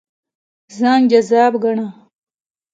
ځان جذاب ګاڼه.